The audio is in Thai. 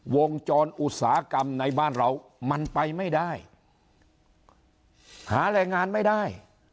วงจรอุตสาหกรรมในบ้านเรามันไปไม่ได้หาแรงงานไม่ได้